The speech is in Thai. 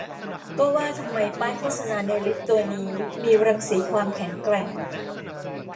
ก็ว่าทำไมป้ายโฆษณาในลิฟต์ตัวนี้มีรังสีความแข็งแกร่ง